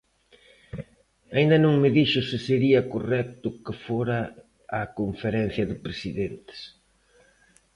Aínda non me dixo se sería correcto que fora á Conferencia de Presidentes.